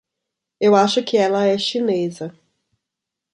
Eu acho que ela é chinesa.